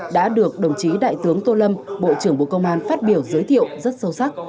đã được đồng chí đại tướng tô lâm bộ trưởng bộ công an phát biểu giới thiệu rất sâu sắc